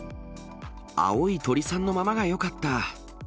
青い鳥さんのままがよかった。